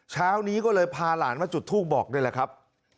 เช้านี้ก็เลยพาหลานมาจุดทูปบอกนี่แหละครับ